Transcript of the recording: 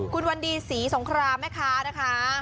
คุณวันดีศรีสงครามแม่ค้านะคะ